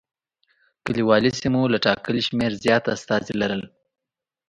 کلیوالي سیمو له ټاکلي شمېر زیات استازي لرل.